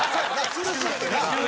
吊るすってな。